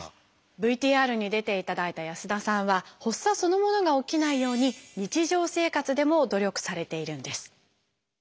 ＶＴＲに出ていただいた安田さんは発作そのものが起きないように日常生活でも努力されているんです。